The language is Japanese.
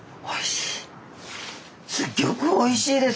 おいしい！